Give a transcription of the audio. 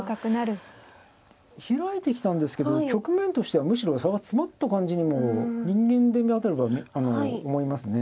開いてきたんですけど局面としてはむしろ差が詰まった感じにも思いますね。